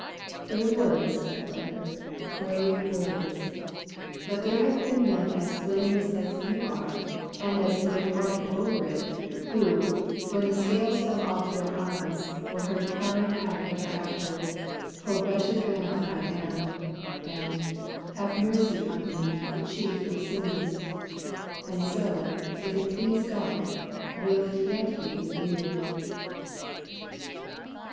Brave words, my brother; brave words! But there have been men as blameless as you are, and as brave hearted over it, who, when the scales fell off their eyes, were heard crying out ever after: O wretched man that I am! And: Have mercy on me, the chief of sinners! And so, if it so please God, will it yet be with you.